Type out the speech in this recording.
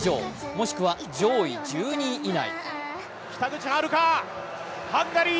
もしくは上位１２位以内。